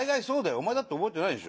お前だって覚えてないでしょ？